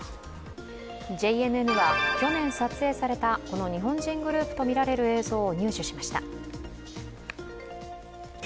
ＪＮＮは去年撮影された、この日本人グループとみられる映像を入手しました。